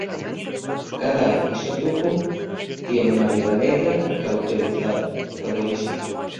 Cada isótopu tien una vida media carauterística.